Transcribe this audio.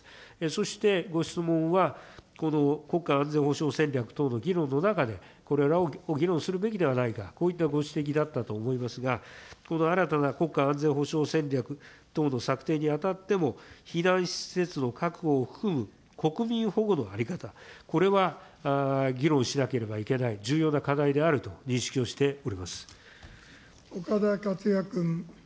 そしてご質問は、この国家安全保障戦略等の議論の中で、これらを議論すべきではないか、こういったご指摘だったと思いますが、この新たな国家安全保障戦略等の策定にあたっても、避難施設の確保を含む国民保護の在り方、これは議論しなければいけない重要な課題であると認識をしており岡田克也君。